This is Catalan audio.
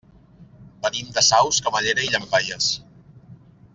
Venim de Saus, Camallera i Llampaies.